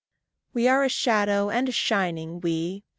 WE are a shadow and a shining, we!